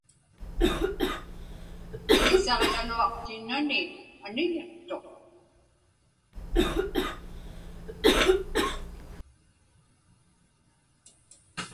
Iḷisaġigaluaqtinnani aniḷiqtuq.